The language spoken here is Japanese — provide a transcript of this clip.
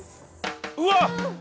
うわっ！